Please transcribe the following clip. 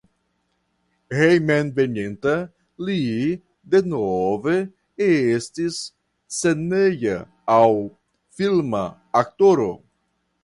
Hejmenveninta li denove estis sceneja aŭ filma aktoro.